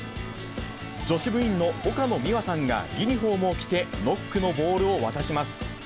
女子部員の岡野美和さんがユニホームを着てノックのボールを渡します。